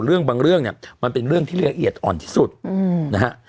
เรื่องบางเรื่องเนี่ยมันเป็นเรื่องที่ละเอียดอ่อนที่สุดนะฮะ